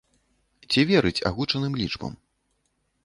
Ці верыць агучаным лічбам?